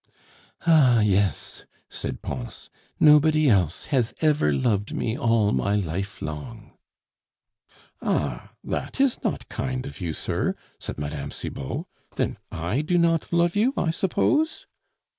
"Ah! yes," said Pons; "nobody else has ever loved me all my life long " "Ah! that is not kind of you, sir," said Mme. Cibot; "then I do not love you, I suppose?"